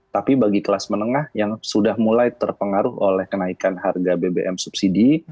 tapi bagi kelas menengah yang sudah mulai terpengaruh oleh kenaikan harga bbm subsidi